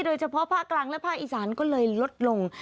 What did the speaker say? โดยเฉพาะภาคกลางและภาคอีสานก็เลยลดลง